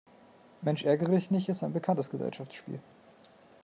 Mensch-Ärgere-Dich-nicht ist ein bekanntes Gesellschaftsspiel.